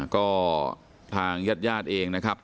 ก็ทางญาติญาติเองนะครับ